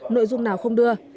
nội dung nào không đưa